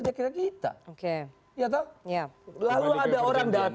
bagaimana anda mungkin memiliki keyn grabbing space